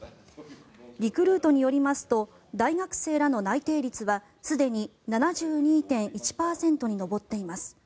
リクルートによりますと大学生らの内定率はすでに７２．１％に上っています。